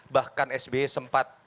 bahkan sbe sempat